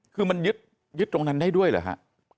คือมันยึดตรงนั้นได้ด้วยเหรอฮะ